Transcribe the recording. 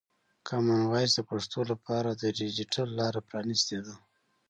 کامن وایس د پښتو لپاره د ډیجیټل لاره پرانستې ده.